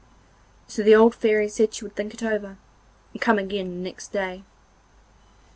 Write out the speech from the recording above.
So the old Fairy said she would think it over, and come again the next day.